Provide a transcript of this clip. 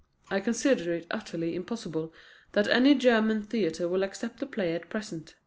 I consider it utterly impossible that any German theatre will accept the play at present.